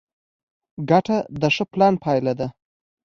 ګټه د ښه پلان پایله ده.